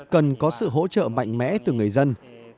cần có sự hỗ trợ mạnh mẽ từ người dân